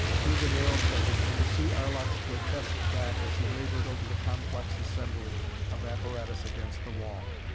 Through the narrow crevice they could see Arlok's grotesque back as he labored over the complex assembly of apparatus against the wall.